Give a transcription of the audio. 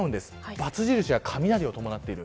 ばつ印は雷を伴っている。